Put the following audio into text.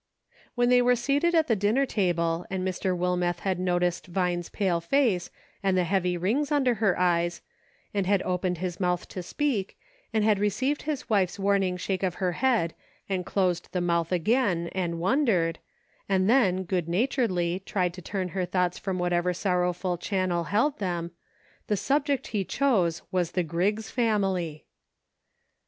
When they were seated at the dinner table and Mr. Wilmeth had noticed Vine's pale face and the heavy rings under her eyes, and had opened his mouth to speak, and had received his wife's warn ing shake of the head and closed the mouth again and wondered, and then, good naturedly, tried to turn her thoughts from whatever sorrowful chan nel held them, the subject he chose was the Griggs family.